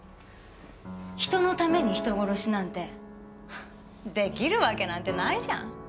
人のために人殺しなんて出来るわけなんてないじゃん。